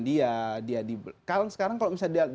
dia sekarang kalau misalnya